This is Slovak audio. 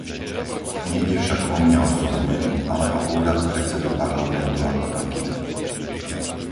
Nejde však o mňa osobne, ale o úrad predsedu Parlamentu ako taký.